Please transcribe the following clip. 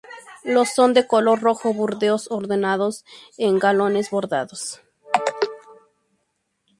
Los son de color rojo-burdeos adornados con galones bordados.